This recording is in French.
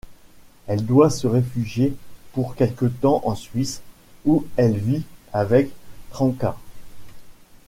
Elle doit se réfugier pour quelque temps en Suisse où elle vit avec Trenca.